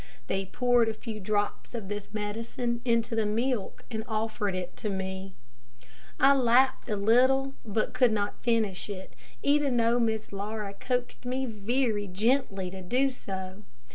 They poured a few drops of this medicine into the milk and offered it to me. I lapped a little, but I could not finish it, even though Miss Laura coaxed me very gently to do so.